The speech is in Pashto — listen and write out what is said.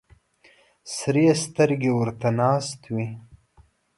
سرې سترګې ورته ناست وي.